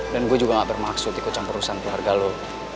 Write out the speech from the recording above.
dan gue juga gak bermaksud ikut campur urusan keluarga lo